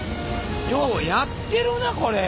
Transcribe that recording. ようやってるなこれ。